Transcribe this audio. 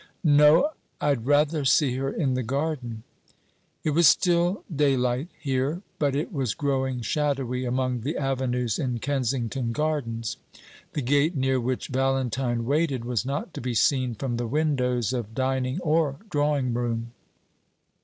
"No; I'd rather see her in the garden." It was still daylight here, but it was growing shadowy among the avenues in Kensington Gardens. The gate near which Valentine waited was not to be seen from the windows of dining or drawing room.